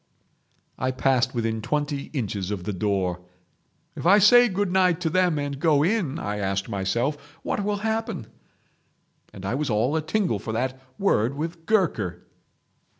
"I passed within twenty inches of the door. 'If I say good night to them, and go in,' I asked myself, 'what will happen?' And I was all a tingle for that word with Gurker.